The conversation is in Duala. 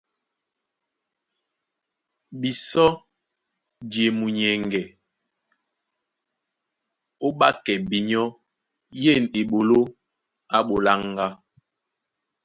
Bisɔ́ di e munyɛŋgɛ ó ɓákɛ binyɔ́ yên eɓoló á ɓoláŋgá.